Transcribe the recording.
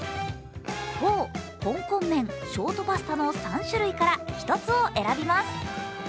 フォー、ホンコン麺、ショートパスタの３種類から１つを選びます。